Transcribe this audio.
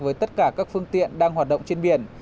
với tất cả các phương tiện đang hoạt động trên biển